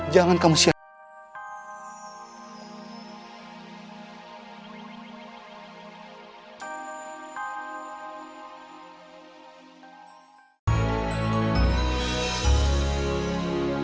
jangan kamu siap